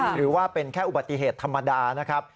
หรือว่าเป็นแค่อุบัติเหตุธรรมดานะครับ